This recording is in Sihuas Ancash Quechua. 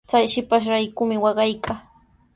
Chay shipashraykumi waqaykaa.